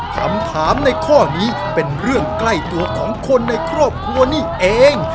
คำถามในข้อนี้เป็นเรื่องใกล้ตัวของคนในครอบครัวนี่เอง